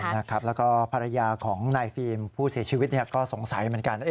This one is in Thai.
แล้วก็ภรรยาของนายฟิล์มผู้เสียชีวิตก็สงสัยเหมือนกัน